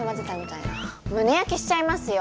胸焼けしちゃいますよ。